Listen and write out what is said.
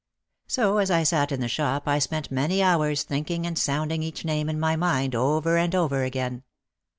So as I sat in the shop I spent many hours thinking and sounding each name in my mind over and over again.